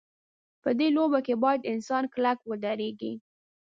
په دې لوبه کې باید انسان کلک ودرېږي.